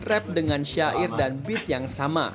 rap dengan syair dan beat yang sama